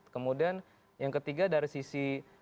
kemudian yang ketiga dari sisi